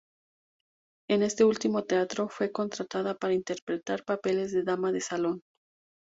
En este ultimo teatro fue contratada para interpretar papeles de damas de salón.